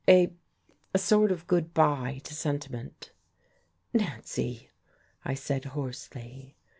"A a sort of good bye to sentiment." "Nancy!" I said hoarsely.